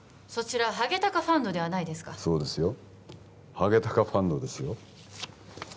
そちらハゲタカファンドではないですかそうですよハゲタカファンドですよ